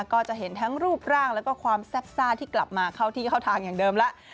ก็จะเห็นทั้งรูปร่างแล้วก็ความแซ่บซ่าที่กลับมาเข้าที่เข้าทางอย่างเดิมแล้ว